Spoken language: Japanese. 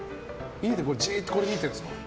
家でじっとこれ見てるんですか。